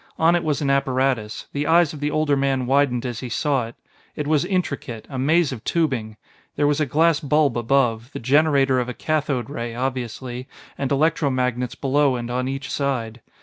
On it was an apparatus; the eyes of the older man widened as he saw it. It was intricate a maze of tubing. There was a glass bulb above the generator of a cathode ray, obviously and electro magnets below and on each side.